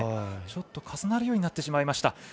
ちょっと重なるようになってしまいました。